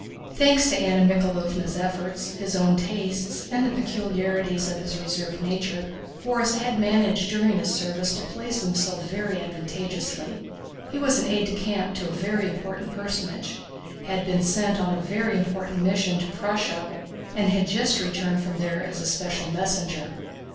Thanks to Anna Mikháylovna's efforts, his own tastes, and the peculiarities of his reserved nature, Borís had managed during his service to place himself very advantageously. He was aide de camp to a very important personage, had been sent on a very important mission to Prussia, and had just returned from there as a special messenger.